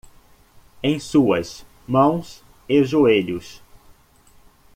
Em suas mãos e joelhos!